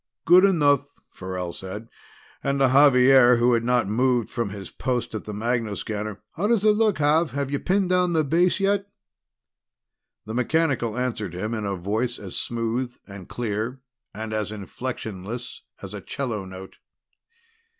"Good enough," Farrell said. And to Xavier, who had not moved from his post at the magnoscanner: "How does it look, Xav? Have you pinned down their base yet?" The mechanical answered him in a voice as smooth and clear and as inflectionless as a 'cello note.